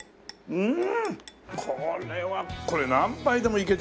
うん。